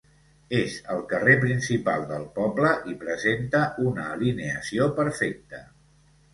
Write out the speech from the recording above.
És el carrer principal del poble i presenta una alineació perfecta.